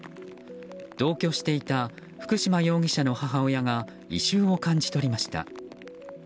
同居していた福島容疑者の母親が異臭を感じ取りました。